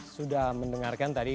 sudah mendengarkan tadi